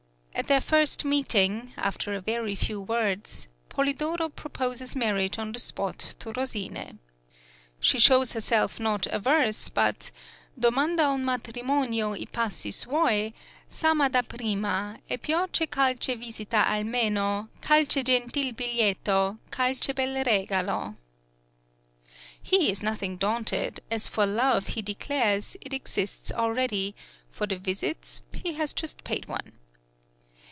At their first meeting, after a very few words, Polidoro proposes marriage on the spot to Rosine. She shows herself not averse but _"domanda un matrimonio i passi suoi, s' am a da prima, e poiche qualche visita almeno, qualche gentil biglietto, qualche bel regalo."_ He is nothing daunted; as for love he declares, it exists already; for the visits, he has just paid one.